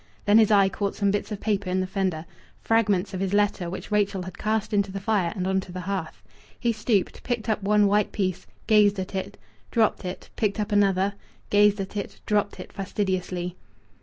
Then his eye caught some bits of paper in the fender fragments of his letter which Rachel had cast into the fire and on to the hearth. He stooped, picked up one white piece, gazed at it, dropped it, picked up another, gazed at it, dropped it fastidiously.